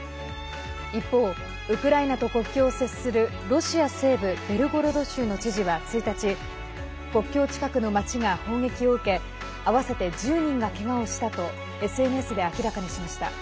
一方、ウクライナと国境を接するロシア西部ベルゴロド州の知事は１日、国境近くの町が砲撃を受け合わせて１０人がけがをしたとＳＮＳで明らかにしました。